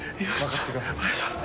お願いします。